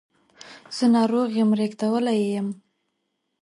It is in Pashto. زه ناروغ یم ریږدولی یې یم